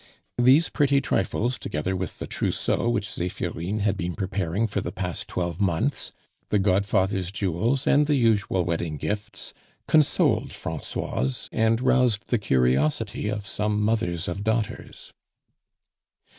These pretty trifles, together with the trousseau which Zephirine had been preparing for the past twelve months, the godfather's jewels, and the usual wedding gifts, consoled Francoise and roused the curiosity of some mothers of daughters.